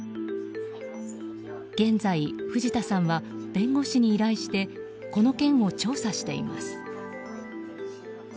現在、藤田さんは弁護士に依頼してこの件を調査しています。